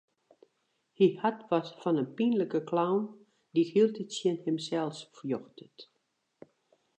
Hy hat wat fan in pynlike clown dy't hieltyd tsjin himsels fjochtet.